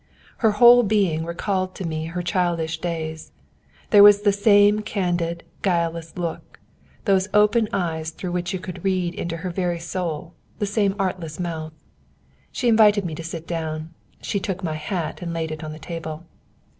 Her whole being recalled to me her childish days. There was the same candid, guileless look; those open eyes through which you could read into her very soul; the same artless mouth. She invited me to sit down. She took my hat and laid it on the table.